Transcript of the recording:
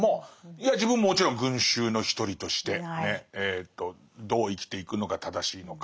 いや自分ももちろん群衆の一人としてねどう生きていくのが正しいのか。